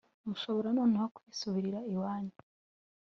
mushobora noneho kwisubirira iwanyu